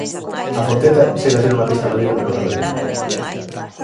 A Fonteta segue a ser unha pista maldita para o Obradoiro.